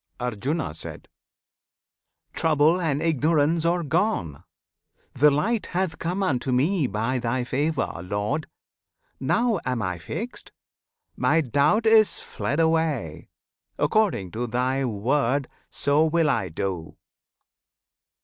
Arjuna. Trouble and ignorance are gone! the Light Hath come unto me, by Thy favour, Lord! Now am I fixed! my doubt is fled away! According to Thy word, so will I do!